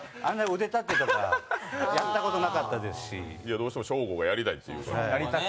どうしてもショーゴがやりたいって言うから。